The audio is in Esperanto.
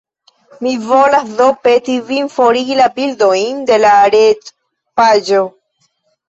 Mi volas do peti vin forigi la bildojn de la retpaĝo.